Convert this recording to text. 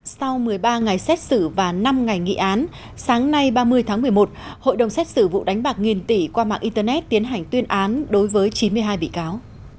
sau một mươi ba ngày xét xử và năm ngày nghị án sáng nay ba mươi tháng một mươi một hội đồng xét xử vụ đánh bạc nghìn tỷ qua mạng internet tiến hành tuyên án đối với chín mươi hai bị cáo